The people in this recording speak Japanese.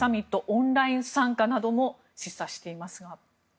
オンライン参加なども示唆していますが。